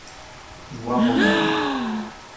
Voie romaine.